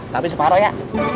tapi separoh ya